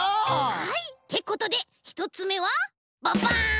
ってことでひとつめはババン！